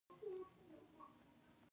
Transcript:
ځان یې معرفي کړ.